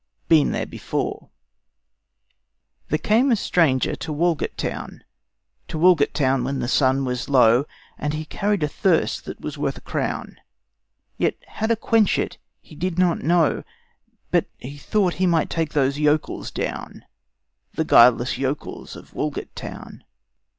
Been There Before There came a stranger to Walgett town, To Walgett town when the sun was low, And he carried a thirst that was worth a crown, Yet how to quench it he did not know; But he thought he might take those yokels down, The guileless yokels of Walgett town.